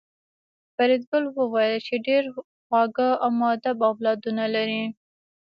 فریدګل وویل چې ډېر خواږه او مودب اولادونه لرې